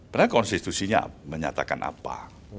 padahal konstitusinya menyatakan apa